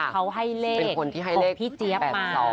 เขาให้เลขพี่เจี๊ยบมา